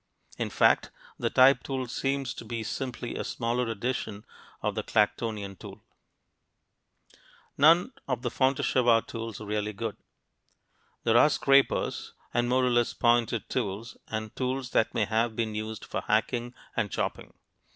In fact, the type tool seems to be simply a smaller edition of the Clactonian tool (pictured on p. 45). None of the Fontéchevade tools are really good. There are scrapers, and more or less pointed tools, and tools that may have been used for hacking and chopping.